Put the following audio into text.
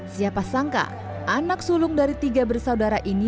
siapa sangka anak sulung dari tiga bersaudara ini